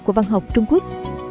của văn học trung quốc